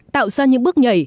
tạo ra những bước nhảy